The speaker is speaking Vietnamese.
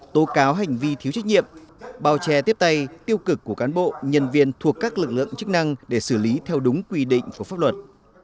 tố cáo hành vi thiếu trách nhiệm bào chè tiếp tay tiêu cực của cán bộ nhân viên thuộc các lực lượng chức năng để xử lý theo đúng quy định của pháp luật